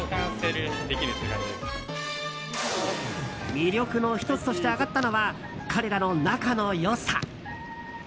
魅力の１つとして挙がったのは彼らの仲の良さ。